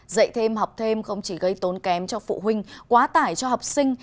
dạy thêm học thêm không chỉ gây tốn kém cho phụ huynh quá tải cho học sinh